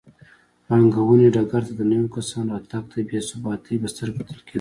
پانګونې ډګر ته د نویو کسانو راتګ ته بې ثباتۍ په سترګه کتل کېدل.